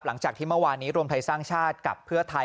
หลังจากที่เมื่อวานนี้รวมไทยสร้างชาติกับเพื่อไทย